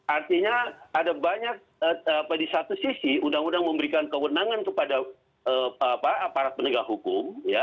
artinya ada banyak di satu sisi undang undang memberikan kewenangan kepada aparat penegak hukum